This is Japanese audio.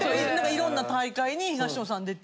色んな大会に東野さん出てて。